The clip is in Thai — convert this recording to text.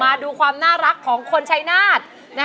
มาดูความน่ารักของคนชัยนาธ